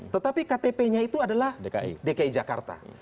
tetapi ktp nya itu adalah dki jakarta